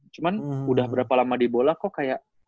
cuman udah berapa lama di bola kok kayak